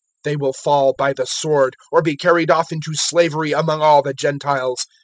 021:024 They will fall by the sword, or be carried off into slavery among all the Gentiles.